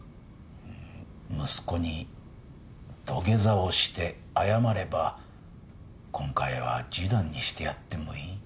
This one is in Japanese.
息子に土下座をして謝れば今回は示談にしてやってもいい。